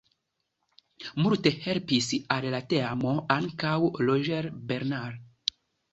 Multe helpis al la teamo ankaŭ Roger Bernard.